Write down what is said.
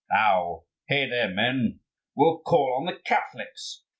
Now, hey there, men! we'll call on the Catholics."